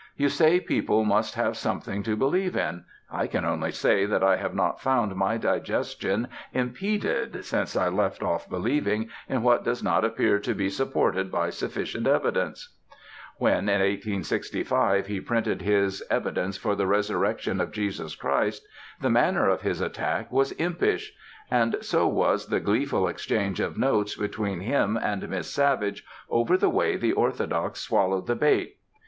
You say people must have something to believe in. I can only say that I have not found my digestion impeded since I left off believing in what does not appear to be supported by sufficient evidence." When in 1865 he printed his "Evidence for the Resurrection of Jesus Christ," the manner of his attack was impish; and so was the gleeful exchange of notes between him and Miss Savage over the way the orthodox swallowed the bait.